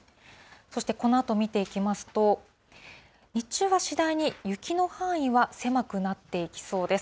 そしてこのあと見ていきますと、日中は次第に雪の範囲は狭くなっていきそうです。